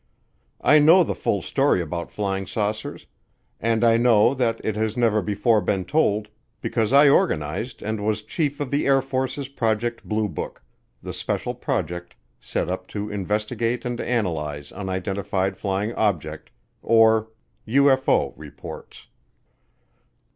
I know the full story about flying saucers and I know that it has never before been told because I organized and was chief of the Air Force's Project Blue Book, the special project set up to investigate and analyze unidentified flying object, or UFO, reports.